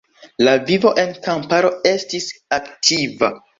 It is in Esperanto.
La vivo en kamparo estis aktiva.